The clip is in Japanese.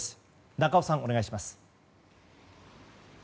中尾さん、お願いします。